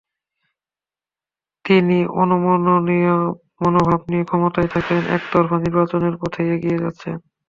তিনি অনমনীয় মনোভাব নিয়ে ক্ষমতায় থেকে একতরফা নির্বাচনের পথেই এগিয়ে যাচ্ছেন।